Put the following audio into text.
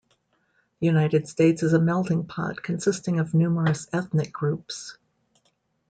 The United States is a melting pot consisting of numerous ethnic groups.